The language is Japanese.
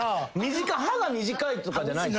歯が短いとかじゃない？